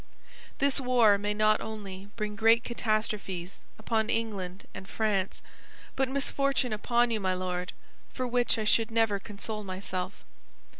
This war may not only bring great catastrophes upon England and France, but misfortune upon you, my Lord, for which I should never console myself.